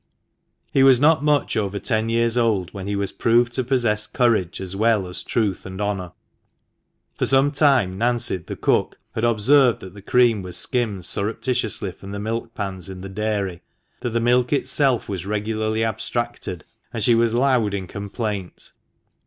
He was not much over ten years old when he was proved to possess courage, as well as truth and honour. For some time Nancy, the cook, had observed that the cream was skimmed surreptitiously from the milk pans in the dairy, that the milk itself was regularly abstracted, and she was loud in complaint.